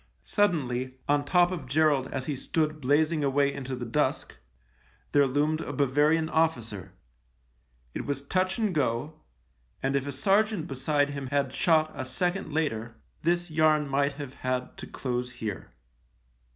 . Suddenly, on top of Gerald as he stood blazing away into the dusk, there loomed a Bavarian officer. It was touch and go, and if a sergeant beside him had shot a second later this yarn might have had to close here.